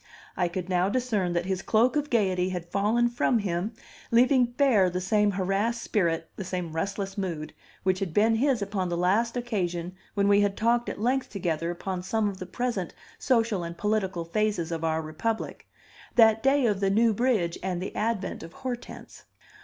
I could now discern that his cloak of gayety had fallen from him, leaving bare the same harassed spirit, the same restless mood, which had been his upon the last occasion when we had talked at length together upon some of the present social and political phases of our republic that day of the New Bridge and the advent of Hortense.